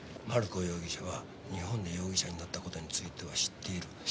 「マルコ容疑者は日本で容疑者になった事については知っている」